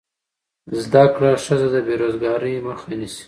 زده کړه ښځه د بېروزګارۍ مخه نیسي.